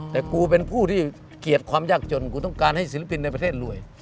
แต่กูเป็นผู้ที่เกลียดความยากจนกูต้องการให้ศิลปินในประเทศรวย